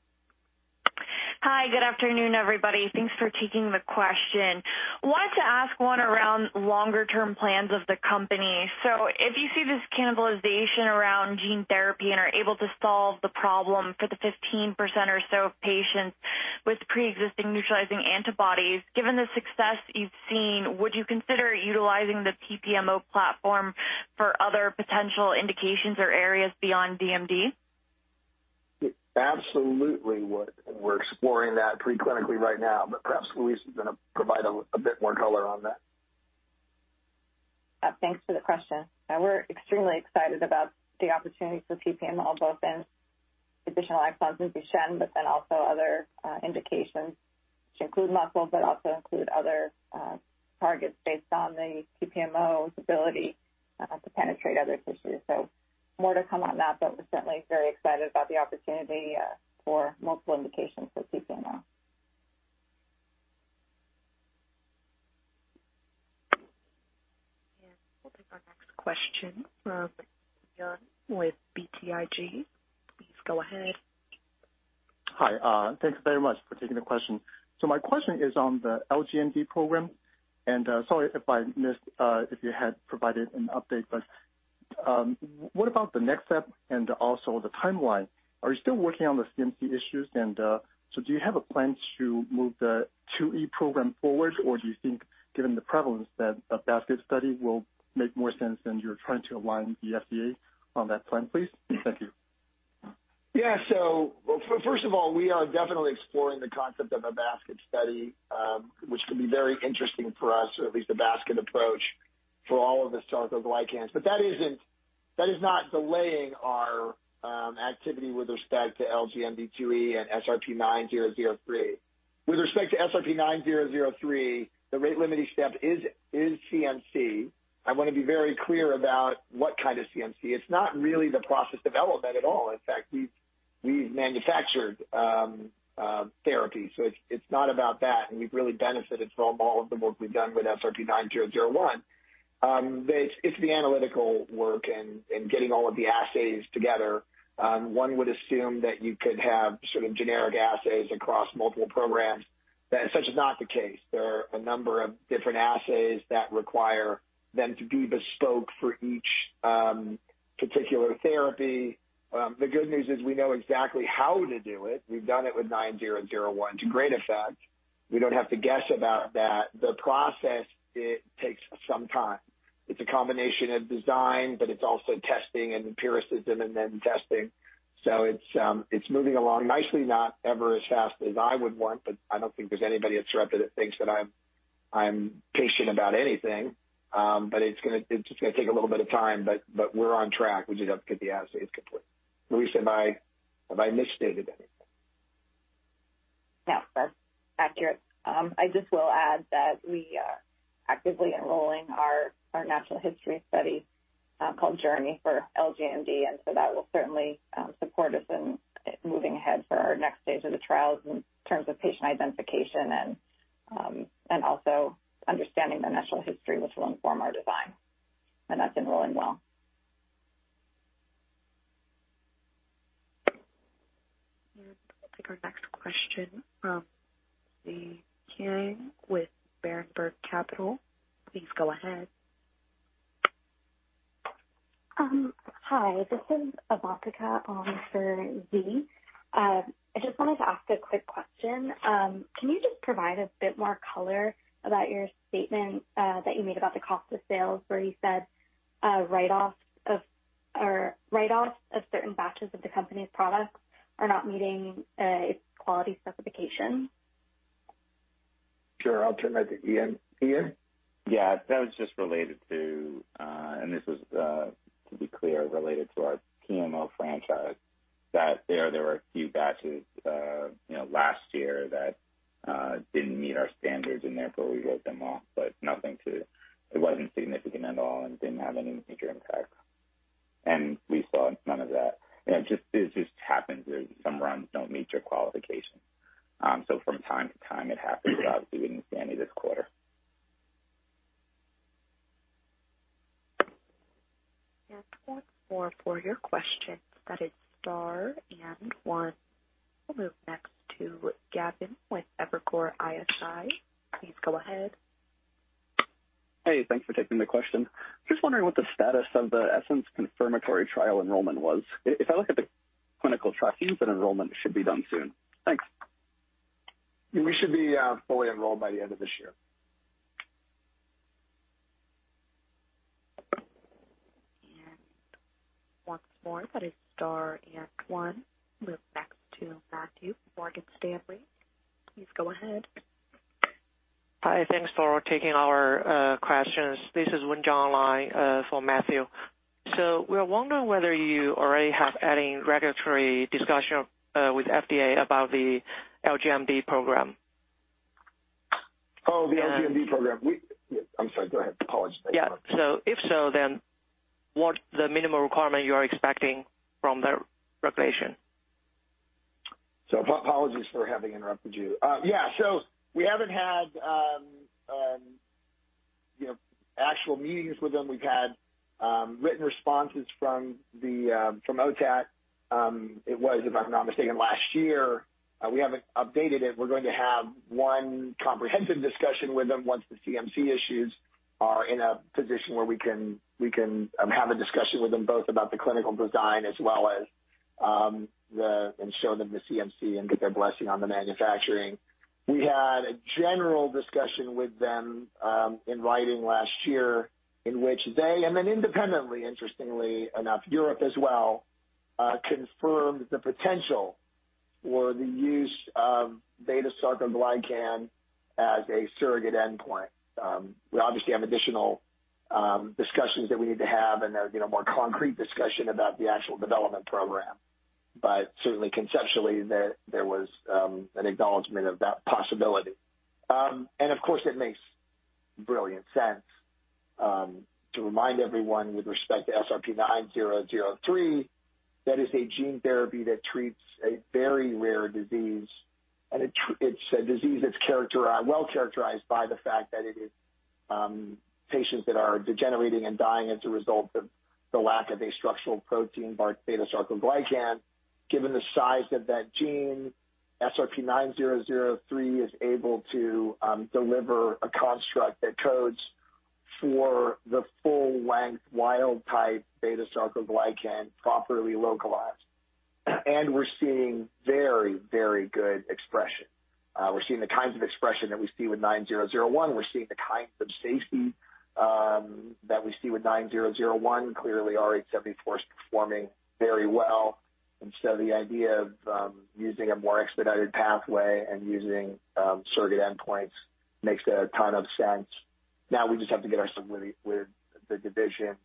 Hi. Good afternoon, everybody. Thanks for taking the question. Wanted to ask one around longer term plans of the company. If you see this cannibalization around gene therapy and are able to solve the problem for the 15% or so of patients with preexisting neutralizing antibodies, given the success you've seen, would you consider utilizing the PPMO platform for other potential indications or areas beyond DMD? We absolutely would, and we're exploring that pre-clinically right now, but perhaps Louise is gonna provide a bit more color on that. Thanks for the question. We're extremely excited about the opportunity for PPMO, both in additional exons in Duchenne, but then also other, indications to include muscles, but also include other, targets based on the PPMO's ability, to penetrate other tissues. More to come on that, but we're certainly very excited about the opportunity, for multiple indications for PPMO. We'll take our next question from Yanan Zhu with Wells Fargo Securities. Please go ahead. Hi. Thank you very much for taking the question. My question is on the LGMD program. Sorry if I missed if you had provided an update, but what about the next step and also the timeline? Are you still working on the CMC issues? Do you have a plan to move the 2E program forward or do you think, given the prevalence, that a basket study will make more sense and you're trying to align the FDA on that plan, please? Thank you. First of all, we are definitely exploring the concept of a basket study, which can be very interesting for us or at least a basket approach for all of the sarcoglycans. That isn't delaying our activity with respect to LGMD2E and SRP-9003. With respect to SRP-9003, the rate-limiting step is CMC. I wanna be very clear about what kind of CMC. It's not really the process development at all. In fact, we've manufactured therapy, so it's not about that, and we've really benefited from all of the work we've done with SRP-9001. It's the analytical work and getting all of the assays together. One would assume that you could have sort of generic assays across multiple programs. That such is not the case. There are a number of different assays that require them to be bespoke for each particular therapy. The good news is we know exactly how to do it. We've done it with SRP-9001 to great effect. We don't have to guess about that. The process, it takes some time. It's a combination of design, but it's also testing and empiricism and then testing. It's moving along nicely, not ever as fast as I would want, but I don't think there's anybody at Sarepta that thinks that I'm patient about anything. It's gonna, it's just gonna take a little bit of time, but we're on track. We just have to get the assays complete. Louise, have I misstated anything? No, that's accurate. I just will add that we are actively enrolling our natural history study called JOURNEY for LGMD, and so that will certainly support us in moving ahead for our next phase of the trials in terms of patient identification and also understanding the natural history, which will inform our design. That's enrolling well. I'll take our next question from Lekinkumar Patel with Berenberg Capital. Please go ahead. Hi, this is Amantica on for Z. I just wanted to ask a quick question. Can you just provide a bit more color about your statement that you made about the cost of sales where you said write off of certain batches of the company's products are not meeting its quality specifications? Sure. I'll turn that to Ian. Ian? Yeah. That was just related to, and this is, to be clear, related to our PMO franchise, that there were a few batches, you know, last year that didn't meet our standards, and therefore we wrote them off, but nothing to. It wasn't significant at all and didn't have any major impact. We saw none of that. It just happens that some runs don't meet your qualifications. From time to time it happens, obviously, we didn't see any this quarter. Once more for your questions, that is star and one. We'll move next to Gavin with Evercore ISI. Please go ahead. Hey, thanks for taking the question. Just wondering what the status of the ESSENCE confirmatory trial enrollment was. If I look at the clinical track, you think that enrollment should be done soon. Thanks. We should be fully enrolled by the end of this year. Once more, that is star and one. Move back to Matthew, Morgan Stanley. Please go ahead. Hi. Thanks for taking our questions. This is Weijing on line for Matthew. We are wondering whether you already have any regulatory discussion with FDA about the LGMD program. Oh, the LGMD program. Yeah, I'm sorry. Go ahead. Apologies. Yeah. If so, what's the minimum requirement you are expecting from the regulators? Apologies for having interrupted you. Yeah, we haven't had, you know, actual meetings with them. We've had written responses from OTAT. It was, if I'm not mistaken, last year. We haven't updated it. We're going to have one comprehensive discussion with them once the CMC issues are in a position where we can have a discussion with them both about the clinical design as well as and show them the CMC and get their blessing on the manufacturing. We had a general discussion with them in writing last year in which they, and then independently, interestingly enough, Europe as well, confirmed the potential for the use of beta-sarcoglycan as a surrogate endpoint. We obviously have additional discussions that we need to have and a, you know, more concrete discussion about the actual development program. Certainly conceptually there was an acknowledgement of that possibility. Of course it makes brilliant sense to remind everyone with respect to SRP-9003, that is a gene therapy that treats a very rare disease, and it's a disease that's characterized, well characterized by the fact that it is patients that are degenerating and dying as a result of the lack of a structural protein called beta-sarcoglycan. Given the size of that gene, SRP-9003 is able to deliver a construct that codes for the full length wild type beta-sarcoglycan properly localized. We're seeing very, very good expression. We're seeing the kinds of expression that we see with SRP-9001. We're seeing the kinds of safety that we see with SRP-9001. Clearly, AAVrh74 is performing very well. The idea of using a more expedited pathway and using surrogate endpoints makes a ton of sense. Now we just have to get our stuff with the division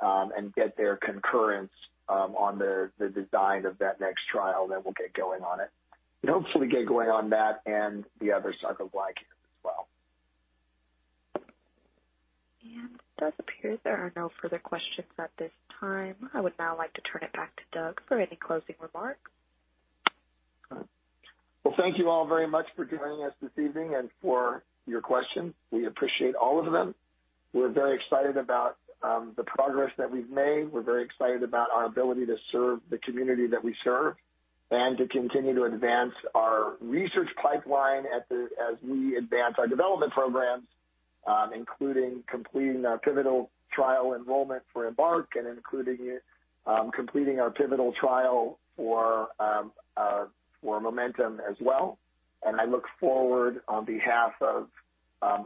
and get their concurrence on the design of that next trial, then we'll get going on it. Hopefully get going on that and the other sarcoglycans as well. It does appear there are no further questions at this time. I would now like to turn it back to Doug for any closing remarks. Well, thank you all very much for joining us this evening and for your questions. We appreciate all of them. We're very excited about the progress that we've made. We're very excited about our ability to serve the community that we serve and to continue to advance our research pipeline as we advance our development programs, including completing our pivotal trial enrollment for EMBARK and completing our pivotal trial for MOMENTUM as well. I look forward on behalf of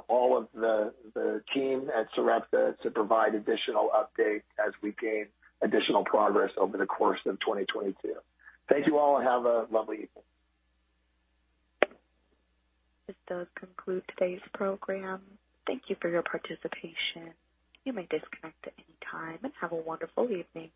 all of the team at Sarepta to provide additional updates as we gain additional progress over the course of 2022. Thank you all and have a lovely evening. This does conclude today's program. Thank you for your participation. You may disconnect at any time and have a wonderful evening.